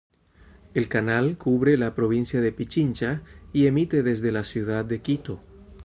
El canal cubre la provincia de Pichincha y emite desde la ciudad de Quito.